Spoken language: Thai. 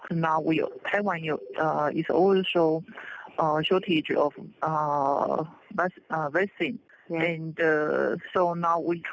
แต่ไทยก็เกี่ยวกับเบสสูจน์